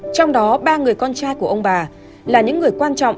trong đó ba người con trai của ông bà là những người quan trọng